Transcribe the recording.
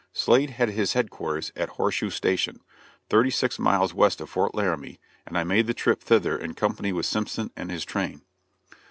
Slade had his headquarters at Horseshoe Station, thirty six miles west of Fort Laramie and I made the trip thither in company with Simpson and his train.